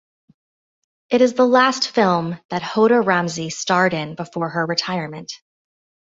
It is the last film that Hoda Ramzi starred in before her retirement.